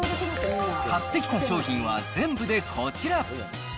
買ってきた商品は全部でこちら。